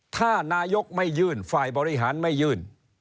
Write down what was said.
ถ้านายกไม่ยื่นฝ่ายบริหารไม่ยื่น